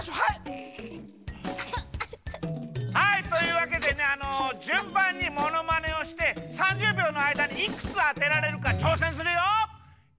はいというわけでねあのじゅんばんにものまねをして３０びょうのあいだにいくつあてられるかちょうせんするよ！